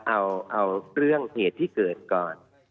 เอาเรื่องเหตุที่เกิดก่อน